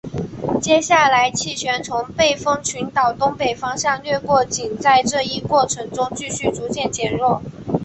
接下来气旋从背风群岛东北方向掠过并在这一过程中继续逐渐减弱。